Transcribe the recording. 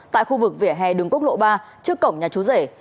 tại khu vực vỉa hè đường quốc lộ ba trước cổng nhà chú rể